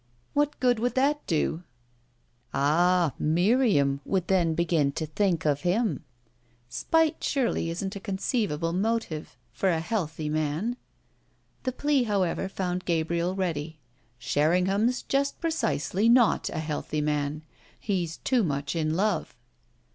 "What good would that do?" "Ah, Miriam would then begin to think of him." "Spite surely isn't a conceivable motive for a healthy man." The plea, however, found Gabriel ready. "Sherringham's just precisely not a healthy man. He's too much in love."